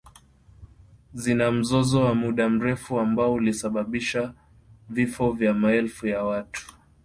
Zina mzozo wa muda mrefu ambao ulisababishwa vifo vya maelfu ya watu.